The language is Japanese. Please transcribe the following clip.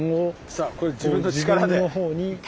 さあこれ自分の力で。